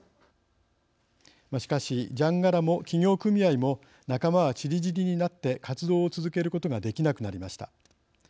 しかし、じゃんがらも企業組合も仲間は、ちりぢりになって活動を続けることができなくなりました。